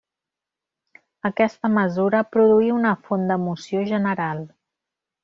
Aquesta mesura produí una fonda emoció general.